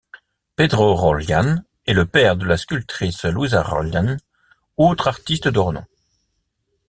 Pedro Roldán est le père de la sculptrice Luisa Roldán, autre artiste de renom.